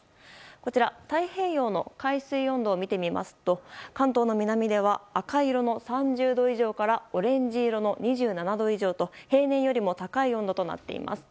こちら、太平洋の海水温度を見てみますと関東の南では赤色の３０度以上からオレンジ色の２７度以上と平年よりも高い温度となっています。